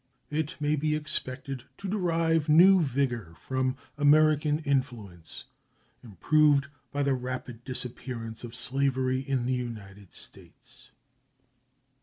It may be expected to derive new vigor from American influence, improved by the rapid disappearance of slavery in the United States.